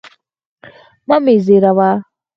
مه مي زهيروه.